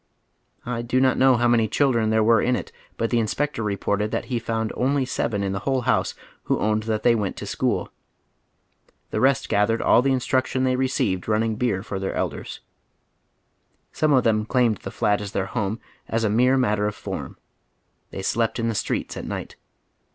I do not know how many children there were in it, but the inspector reported that he found only seven in the whole house who owned that they went to school. The rest gathered all the instruction they received run ning for beer for their elders. Some of them claimed the "flat "as their home as a mere matter of form. They slept in the streets at night.